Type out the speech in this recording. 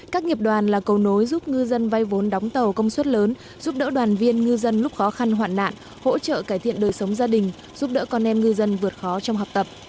các nghiệp đoàn là cầu nối giúp ngư dân vay vốn đóng tàu công suất lớn giúp đỡ đoàn viên ngư dân lúc khó khăn hoạn nạn hỗ trợ cải thiện đời sống gia đình giúp đỡ con em ngư dân vượt khó trong học tập